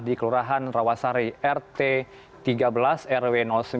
di kelurahan rawasari rt tiga belas rw sembilan